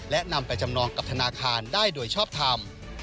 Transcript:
และนำไปจำนองกับธนาคารได้โดยชอบทำ